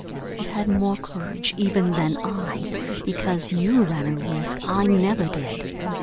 You had more courage, even, than I, because you ran a risk I never did.